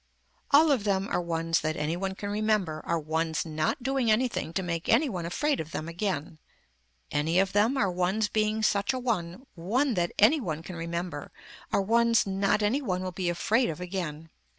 All of them are ones that any one can remember are ones not doing anything to make any one afraid of them again. Any of them are ones being such a one, one that any one can remember, are ones not any one will be afraid of again.